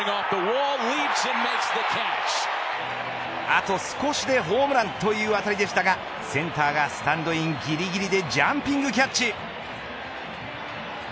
あと少しでホームランという当たりでしたがセンターがスタンドインぎりぎりでジャンピングキャッチ。